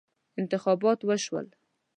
انتخابات وشول.